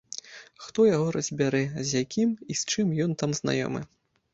Хто яго разбярэ, з якім і з чым ён там знаёмы.